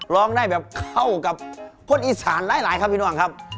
ร้องได้แบบเข้ากับคนอีสานหลายครับพี่น้องครับ